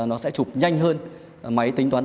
nó sẽ chụp nhanh hơn máy tính toán